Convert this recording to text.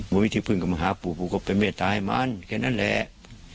มึงพี่ที่เพื่อนก็มาหาปู่ปู่ก็ไปเมฆตาให้มันแค่นั้นแหละ